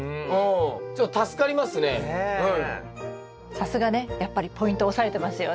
さすがねやっぱりポイント押さえてますよね。